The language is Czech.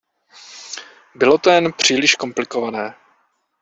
Bylo to jen příliš komplikované.